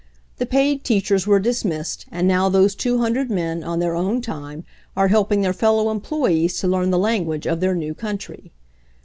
The paid teachers were dismissed, and now those 200 men, on their own time, are helping their fellow emplovees to learn the language of their new country.